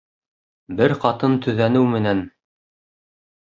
Бер ҡатын төҙәнеү менән.